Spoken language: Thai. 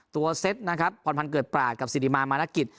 ตัวเซตนะครับพรพันธ์เกิดปราดกับสิริมามานักฤษ